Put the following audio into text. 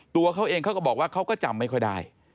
ตัวเขาเองเขาก็บอกว่าเขาก็จำไม่ค่อยได้